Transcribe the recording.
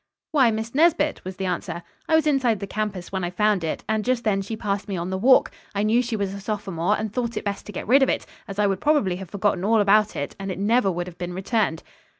"Why, Miss Nesbit," was the answer. "I was inside the campus when I found it, and just then she passed me on the walk. I knew she was a sophomore, and thought it best to get rid of it, as I would probably have forgotten all about it, and it never would have been returned."